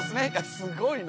すごいな。